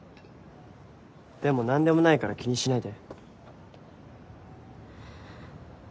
でも何でもないから気にしないで。